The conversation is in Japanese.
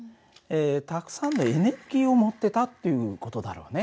たくさんのエネルギーを持ってたっていう事だろうね。